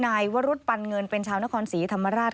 นายวรุษปันเงินเป็นชาวนครศรีธรรมราช